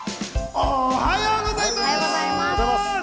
おはようございます。